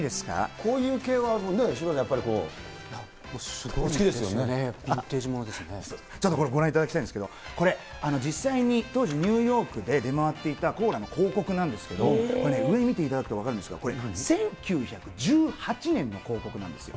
こういう系は、すごいですよね、ビンテージちょっとこれ、ご覧いただきたいんですけど、これ実際に当時、ニューヨークで出回っていたコーラの広告なんですけど、これね、上見ていただくと分かるんですが、これ、１９１８年の広告なんですよ。